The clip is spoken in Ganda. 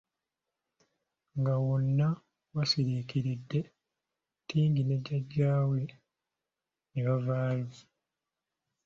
Nga wonna wasiriikiridde, Tingi ne jjajja we ne bavaayo.